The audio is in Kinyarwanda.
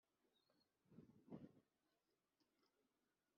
Nyir ingabo umwami w ikirenga abaza